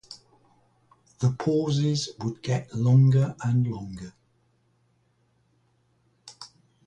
The pauses would get longer and longer.